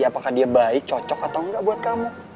apakah dia baik cocok atau enggak buat kamu